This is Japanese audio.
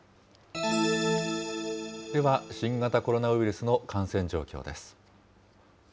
では、新型コロナウイルスの感染状況です。